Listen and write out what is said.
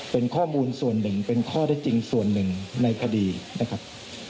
เป็นข้อมูลส่วนหนึ่งเป็นข้อได้จริงส่วนหนึ่งในคดีนะครับ